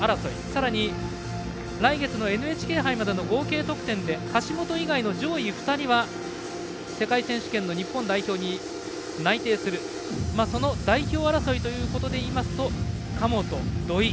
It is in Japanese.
さらに、来月のＮＨＫ杯までの合計得点で橋本以外の上位２人は世界選手権の日本代表に内定するその代表争いということでいいますと神本、土井。